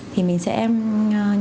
thì mình sẽ nhạy bén hơn